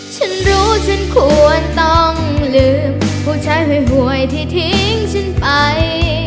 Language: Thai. ฉันรู้ฉันควรต้องลืมผู้ชายหวยที่ทิ้งฉันไป